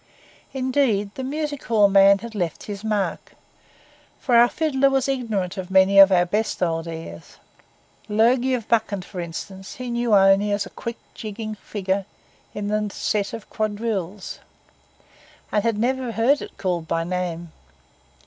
Indeed the music hall man had left his mark, for our fiddler was ignorant of many of our best old airs; 'Logie o' Buchan,' for instance, he only knew as a quick, jigging figure in a set of quadrilles, and had never heard it called by name.